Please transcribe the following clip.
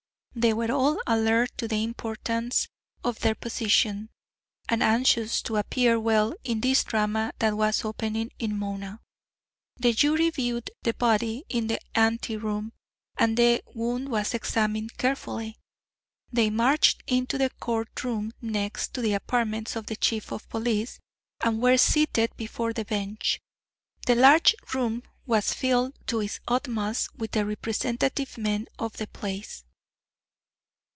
They were all alert to the importance of their position, and anxious to appear well in this drama that was opening in Mona. The jury viewed the body in the anteroom, and the wound was examined carefully. They marched into the court room next to the apartments of the Chief of Police, and were seated before the bench. The large room was filled to its utmost with the representative men of the place.